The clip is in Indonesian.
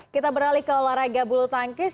kita beralih ke olahraga bulu tangkis